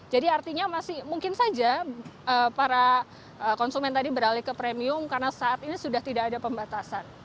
jadi artinya masih mungkin saja para konsumen tadi beralih ke premium karena saat ini sudah tidak ada pembatasan